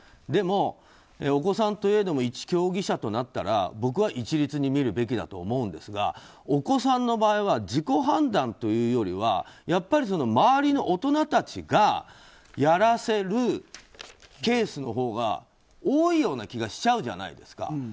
でも、お子さんといえども一競技者となったら僕は一律にみるべきだと思うんですがお子さんの場合は自己判断というよりはやっぱり周りの大人たちがやらせるケースのほうが多いような気がしちゃうじゃないですか。